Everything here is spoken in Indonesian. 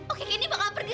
oke gendy bakal pergi